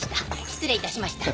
失礼いたしました。